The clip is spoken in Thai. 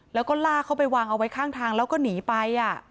แล้วก็ลากเขาไปวางเอาไว้ข้างทางแล้วก็หนีไป